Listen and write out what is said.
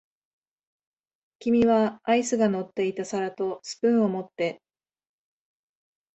君はアイスが乗っていた皿とスプーンを持って、